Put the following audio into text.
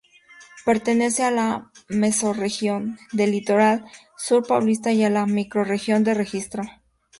Pertenece a la Mesorregión del Litoral Sur Paulista y a la Microrregión de Registro.